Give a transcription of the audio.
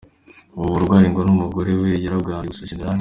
Ubu burwayi ngo n’ umugore we yarabwanduye gusa Gen.